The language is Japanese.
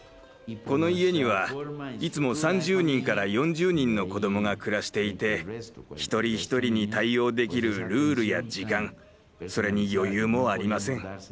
この家にはいつも３０人から４０人の子どもが暮らしていて一人一人に対応できるルールや時間それに余裕もありません。